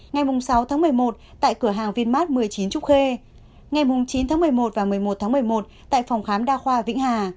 ngày sáu tháng một mươi một tại cửa hàng vinmart một mươi chín trúc khê ngày chín tháng một mươi một và một mươi một tháng một mươi một tại phòng khám đa khoa vĩnh hà